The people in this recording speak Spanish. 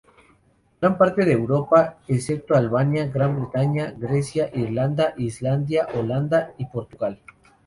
Gran parte de Europa, excepto Albania, Gran Bretaña, Grecia, Irlanda, Islandia, Holanda y Portugal.